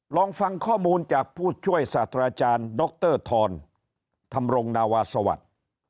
ลองฟังข้อมูลจากผู้ช่วยศาสตราจารย์ดรธรธรรมรงนาวาสวัสดิ์